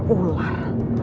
wah dasar ular